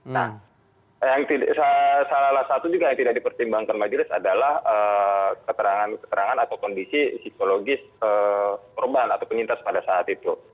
nah salah satu juga yang tidak dipertimbangkan majelis adalah keterangan keterangan atau kondisi psikologis korban atau penyintas pada saat itu